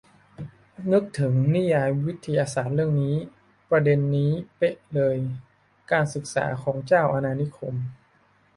นึกถึงนิยายวิทยาศาสตร์เรื่องนี้ ประเด็นนี้เป๊ะเลย การศึกษาของเจ้าอาณานิคม